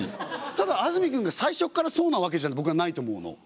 ただ安住くんが最初からそうなわけじゃ僕はないと思うの。